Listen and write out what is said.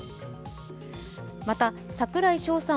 また櫻井翔さん